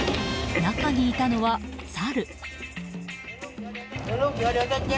中にいたのは、サル。